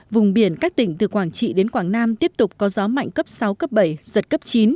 vùng biển các tỉnh từ quảng trị đến quảng nam tiếp tục có gió mạnh cấp sáu cấp bảy giật cấp chín